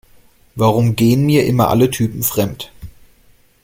Warum gehen mir immer alle Typen fremd?